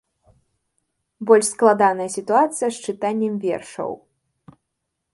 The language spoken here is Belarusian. Больш складаная сітуацыя з чытаннем вершаў.